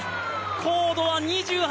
高度は２８。